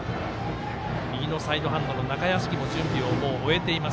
右のサイドハンドの中屋敷ももう準備を終えています